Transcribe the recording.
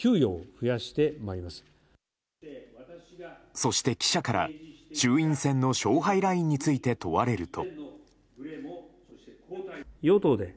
そして記者から、衆院選の勝敗ラインについて問われると。